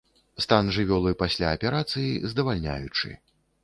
Стан жывёлы пасля аперацыі здавальняючы.